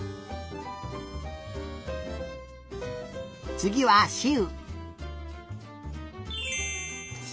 つぎはしう。